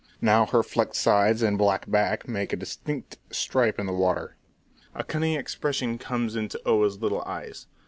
Now her flecked sides and black back make a distinct stripe in the water. A cunning expression comes into Oa's little eyes.